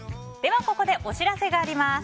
ここでお知らせがあります。